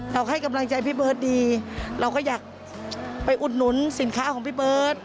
ให้กำลังใจพี่เบิร์ตดีเราก็อยากไปอุดหนุนสินค้าของพี่เบิร์ต